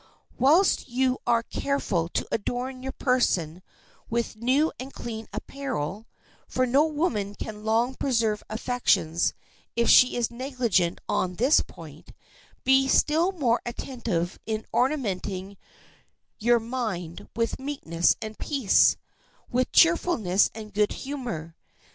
Whilst you are careful to adorn your person with new and clean apparel—for no woman can long preserve affections if she is negligent on this point—be still more attentive in ornamenting your mind with meekness and peace, with cheerfulness and good humor.